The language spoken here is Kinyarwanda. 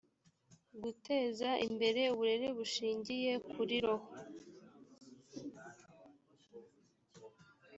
guteza imbere uburere bushingiye kuri roho